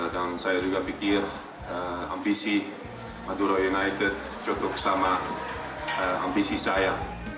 dan saya juga pikir ambisi madura united contoh sama ambisi saya